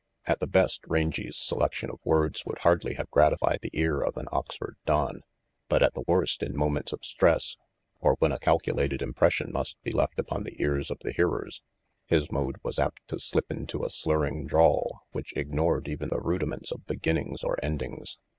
At the best, Rangy 's selection of words would hardly have gratified the ear of an Oxford don, but at the worst, in moments of stress, or when a cal 4 RANGY PETE culated impression must be left upon the ears of the hearers, his mode was apt to slip into a slurring drawl which ignored even the rudiments of begin nings or endings.